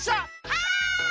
はい！